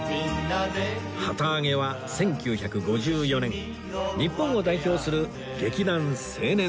旗揚げは１９５４年日本を代表する劇団青年座